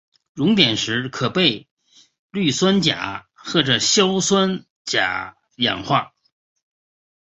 熔点时可被氯酸钾或硝酸钾氧化。